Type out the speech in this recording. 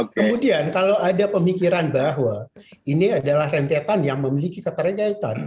kemudian kalau ada pemikiran bahwa ini adalah rentetan yang memiliki keterjaitan